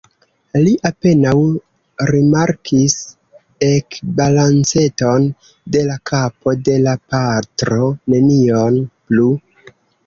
Li apenaŭ rimarkis ekbalanceton de la kapo de la patro; nenion plu.